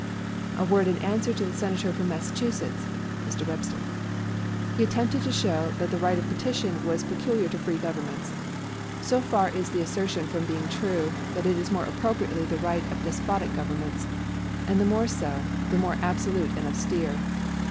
A word in answer to the Senator from Massachusetts [Mr. Webster]. He attempted to show that the right of petition was peculiar to free governments. So far is the assertion from being true, that it is more appropriately the right of despotic governments; and the more so, the more absolute and austere.